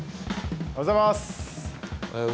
おはようございます。